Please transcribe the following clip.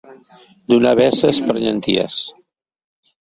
Donar veces per llenties.